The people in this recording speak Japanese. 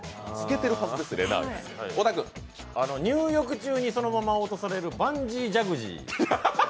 入浴中にそのまま落とされるバンジージャグジー？